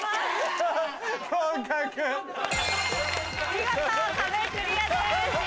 見事壁クリアです。